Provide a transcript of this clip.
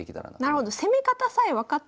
なるほど。